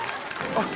あっ！